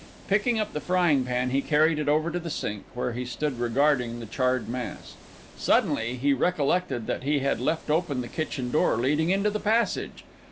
Picking up the frying pan he carried it over to the sink, where he stood regarding the charred mass. Suddenly he recollected that he had left open the kitchen door leading into the passage.